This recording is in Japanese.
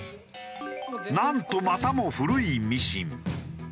なんとまたも古いミシン。